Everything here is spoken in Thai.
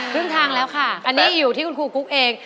ครึ่งทางแล้วค่ะอันนี้อยู่ที่คุณครูกุ๊กเอง